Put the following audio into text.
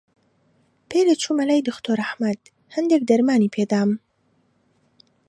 پێرێ چوومە لای دختۆر ئەحمەد، هەندێک دەرمانی پێ دام.